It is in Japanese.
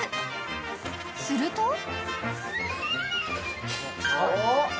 ［すると］